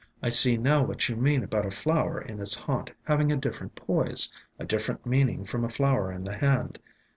"I see now what you mean about a flower in its haunt having a different poise, a different meaning from a flower in the hand.